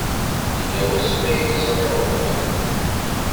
Yella wasmi ay k-ẓriɣ uqbel?